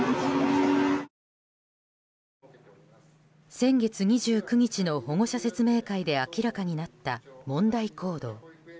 先月２９日の保護者説明会で明らかになった問題行動。